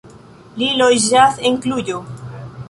Li loĝas en Kluĵo.